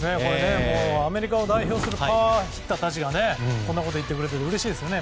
アメリカを代表するパワーヒッターたちがこんなこと言ってくれてうれしいですね。